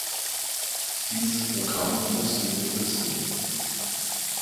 Dieses Programm muss ihnen nützen.